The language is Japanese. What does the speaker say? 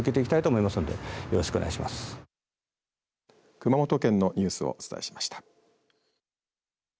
熊本県のニュースをお伝えしました。